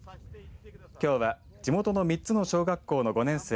きょうは地元の３つの小学校の５年生